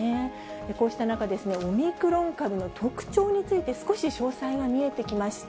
こうした中、オミクロン株の特徴について、少し詳細が見えてきました。